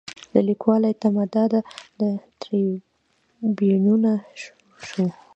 له لیکوالو یې تمه دا ده تریبیونونه شو.